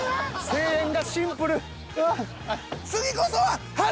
声援がシンプル。